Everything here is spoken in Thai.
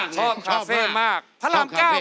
ชอบมากชอบทุกทิศ